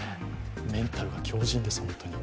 メンタルが強じんです、本当に。